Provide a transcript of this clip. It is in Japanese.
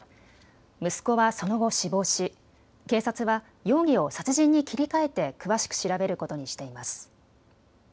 息子はその後、死亡し、警察は容疑を殺人に切り替えて詳しく調べることにしています。